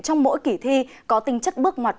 trong mỗi kỳ thi có tinh chất bước mặt